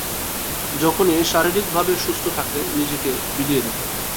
যখনই শারীরিকভাবে সুস্থ থাকতেন নিজেকে বিলিয়ে দিতেন।